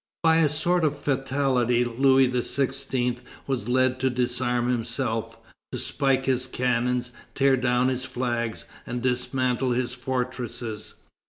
By a sort of fatality Louis XVI. was led to disarm himself, to spike his cannons, tear down his flags, and dismantle his fortresses.